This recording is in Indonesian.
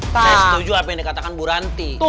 saya setuju apa yang dikatakan bu ranti